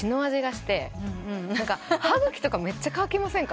歯茎とかめっちゃ乾きませんか。